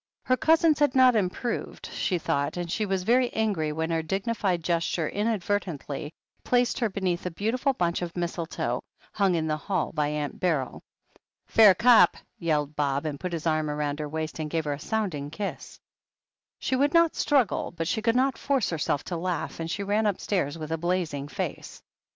Her cousins had not improved, she thought, and she was very angry when her dignified gesture inadvert ently placed her beneath a beautiful bunch of mistletoe, hung in the hall by Aunt Beryl. "Fair cop!" yelled Bob, and put his arm round her waist and gave her a sounding kiss. She would not struggle, but she could not force her self to laugh, and she ran upstairs with a blazing face.